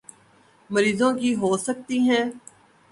مریضوں کی ہو سکتی ہیں